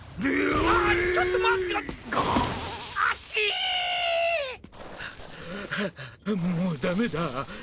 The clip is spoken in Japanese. はあもうダメだ。